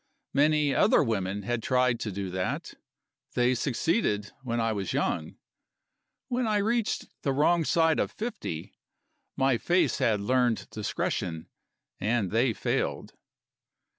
Many other women had tried to do that. They succeeded when I was young. When I had reached the wrong side of fifty, my face had learned discretion, and they failed.